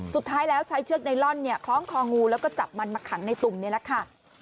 สุดท้ายแล้วใช้เชือกไนลอนเนี่ยคล้องคองูแล้วก็จับมันมาขังในตุ่มนี่แหละค่ะ